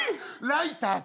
ライター？